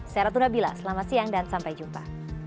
saya ratuna bila selamat siang dan sampai jumpa